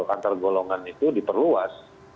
antargolongan itu diperluas